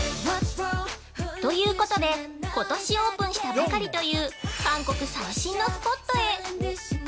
◆ということで、ことしオープンしたばかりという韓国最新のスポットへ。